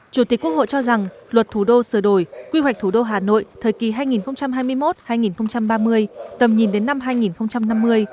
chủ tịch quốc hội cho rằng luật thủ đô sửa đổi quy hoạch thủ đô hà nội thời kỳ hai nghìn hai mươi một hai nghìn ba mươi tầm nhìn đến năm hai nghìn năm mươi